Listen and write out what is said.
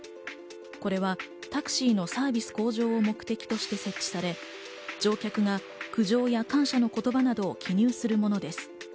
これはタクシーのサービス向上を目的として設置され、乗客が苦情や感謝の言葉などを記入するものです。